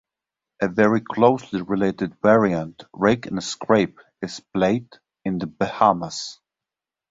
A very closely related variant, rake-and-scrape, is played in the Bahamas.